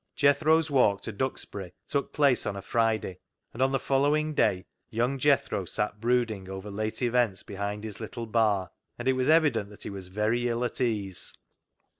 Jethro's walk to Duxbury took place on 154 CLOG SHOP CHRONICLES a Friday, and on the following day young Jethro sat brooding over late events behind his little bar, and it was evident he was very ill at ease.